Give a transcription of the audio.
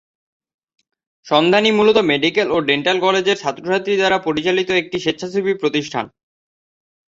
সন্ধানী মূলত মেডিকেল ও ডেন্টাল কলেজের ছাত্রছাত্রী দ্বারা পরিচালিত একটি স্বেচ্ছাসেবী প্রতিষ্ঠান।